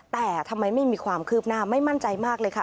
แต่ทำไมไม่มีความคืบหน้าไม่มั่นใจมากเลยค่ะ